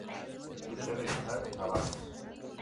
Su sede está en Tavares.